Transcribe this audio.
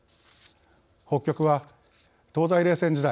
北極は東西冷戦時代